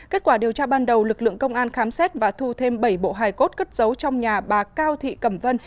kết quả điều tra ban đầu lực lượng công an khám xét và thu thêm bảy bộ hài cốt cất giấu trong nhà bà cao thị cẩm vân